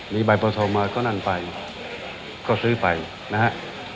มีใบปทมาก็นั่นไปก็ซื้อไปนะฮะ